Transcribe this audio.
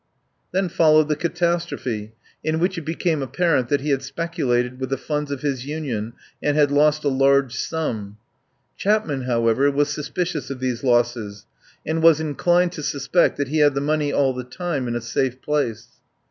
Then followed the catastrophe, in which it became apparent that he had speculated with the funds of his Union and had lost a large sum. Chapman, however, was suspicious of these losses, and was inclined to suspect that he had the money all the time in a safe place.